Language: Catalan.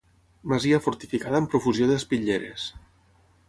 Masia fortificada amb profusió d'espitlleres.